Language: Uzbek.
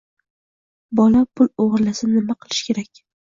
Bola pul o'g'irlasa nima qilish kerak?